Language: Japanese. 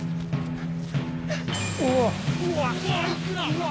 うわ。